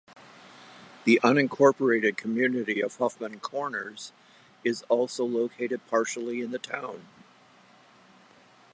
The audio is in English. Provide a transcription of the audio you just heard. The unincorporated community of Hoffman Corners is also located partially in the town.